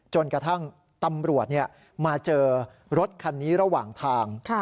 จนกระทั่งตำรวจมาเจอรถคันนี้ระหว่างทาง